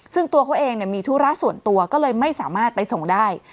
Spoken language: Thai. ซึ่งตัวเขาเองมีธุระส่วนตัวก็เลยไม่สามารถไปส่งได้